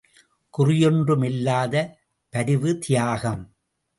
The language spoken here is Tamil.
குறியொன்றும் இல்லாத பரிவு தியாகம்.